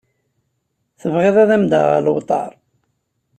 Tebɣiḍ ad m-d-aɣeɣ lewṭer